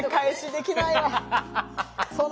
できない？